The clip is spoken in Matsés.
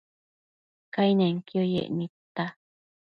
Cainenquio yec nidta